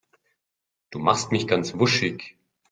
Du machst mich ganz wuschig.